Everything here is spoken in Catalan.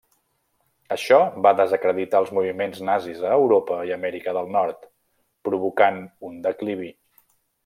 Això va desacreditar els moviments nazis a Europa i Amèrica del Nord, provocant un declivi.